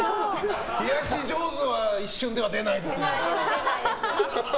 冷やし上手は一瞬では出ないですよ。